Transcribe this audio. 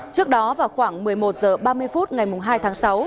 trước đó vào khoảng một mươi một h ba mươi phút ngày hai tháng sáu